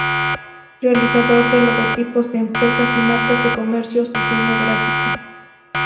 Realizador de logotipos de empresas y marcas de comercios, diseño gráfico.